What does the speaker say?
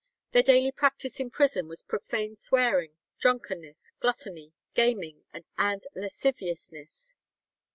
Their daily practice in prison was profane swearing, drunkenness, gluttony, gaming, and lasciviousness.